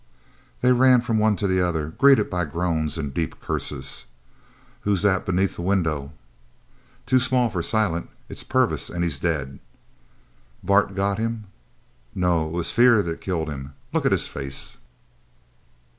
They ran from one to the other, greeted by groans and deep curses. "Who's that beneath the window?" "Too small for Silent. It's Purvis, and he's dead!" "Bart got him!" "No! It was fear that killed him. Look at his face!"